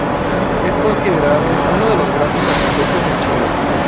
Es considerado uno de los Grandes Arquitectos en Chile.